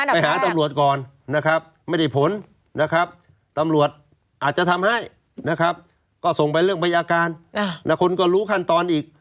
ไปหาตำรวจก่อนไม่ได้ผลตำรวจอาจจะทำให้ก็ส่งไปเรื่องบัยการคนก็รู้ขั้นตอนอีก